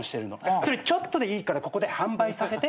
それちょっとでいいからここで販売させて。